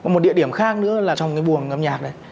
một địa điểm khác nữa là trong buồng ngầm nhạc này